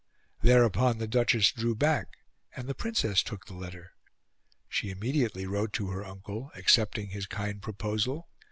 Thereupon the Duchess drew back, and the Princess took the letter. She immediately wrote to her uncle, accepting his kind proposal.